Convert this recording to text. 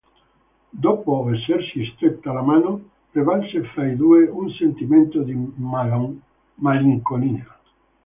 Dopo essersi stretta la mano prevalse fra i due un sentimento di malinconia.